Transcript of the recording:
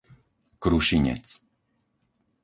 Krušinec